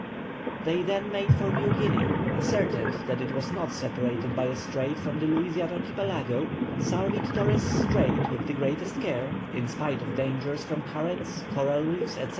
They then made for New Guinea, ascertained that it was not separated by a strait from the Louisiade Archipelago, surveyed Torres Strait with the greatest care, in spite of dangers from currents, coral reefs, &c.